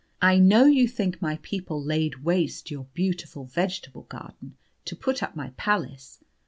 I know you think my people laid waste your beautiful vegetable garden to put up my palace.